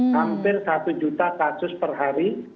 hampir satu juta kasus per hari